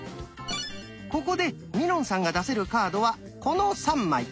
ここでみのんさんが出せるカードはこの３枚。